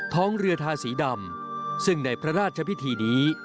ท้องเรือทาสีดำซึ่งในพระราชพิธีนี้